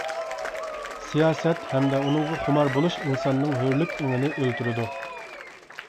سىياسەت ھەمدە ئۇنىڭغا خۇمار بولۇش ئىنساننىڭ ھۆرلۈك ئېڭىنى ئۆلتۈرىدۇ.